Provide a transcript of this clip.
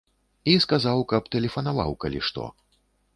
І сказаў, каб тэлефанаваў, калі што.